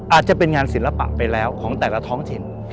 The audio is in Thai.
อาจจะเป็นงานศิลปะไปแล้วของแต่ละท้องถิ่น